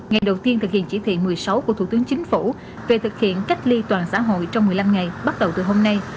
ngày đầu tiên thực hiện chỉ thị một mươi sáu của thủ tướng chính phủ về thực hiện cách ly toàn xã hội trong một mươi năm ngày bắt đầu từ hôm nay